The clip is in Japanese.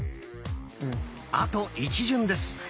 あと一巡です。